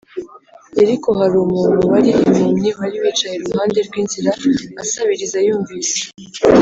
Yeriko hari umuntu wari impumyi wari wicaye iruhande rw inzira asabiriza Yumvise